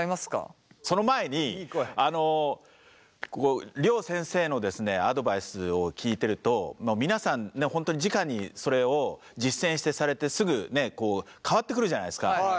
その前に両先生のですねアドバイスを聞いてると皆さん本当にじかにそれを実践されてすぐ変わってくるじゃないですか。